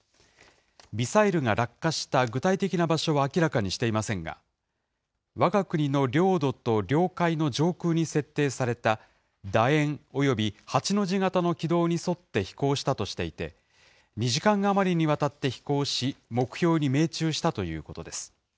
ミサイルが落下した具体的な場所は明らかにしていませんが、わが国の領土と領海の上空に設定されただ円、および８の字型の軌道に沿って飛行したとしていて、２時間余りにわたって飛行し、目標に命中したということです。